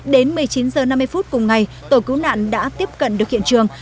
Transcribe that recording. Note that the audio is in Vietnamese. đến một mươi chín h năm mươi phút cùng ngày tổ cứu nạn đã tiếp cận được hiện trường